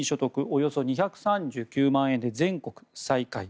およそ２３９万円で全国最下位。